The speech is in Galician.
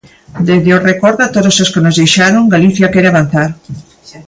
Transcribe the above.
Dende o recordo a todos os que nos deixaron, Galicia quere avanzar.